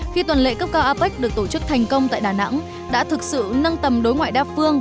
khi tuần lệ cấp cao apec được tổ chức thành công tại đà nẵng đã thực sự nâng tầm đối ngoại đa phương